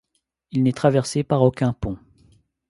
Il n'est traversé par aucun pont.